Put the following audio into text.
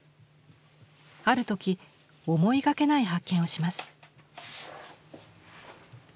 ある時思いがけない発見をします。